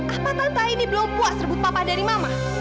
apa tante ini belum puas rebut papa dari mama